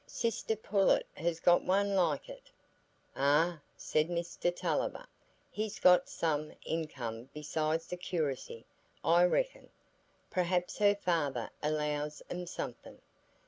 Sister Pullet has got one like it." "Ah," said Mr Tulliver, "he's got some income besides the curacy, I reckon. Perhaps her father allows 'em something.